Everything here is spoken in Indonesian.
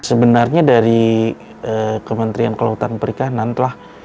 sebenarnya dari kementerian kelautan perikanan telah